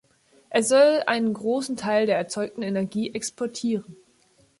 Es soll einen großen Teil der erzeugten Energie exportieren.